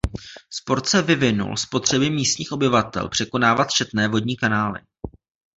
Sport se vyvinul z potřeby místních obyvatel překonávat četné vodní kanály.